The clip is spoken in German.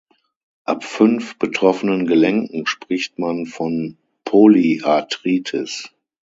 Ab fünf betroffenen Gelenken spricht man von Polyarthritis.